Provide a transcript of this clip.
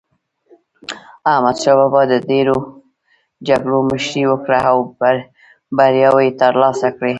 احمد شاه بابا د ډېرو جګړو مشري وکړه او بریاوي یې ترلاسه کړې.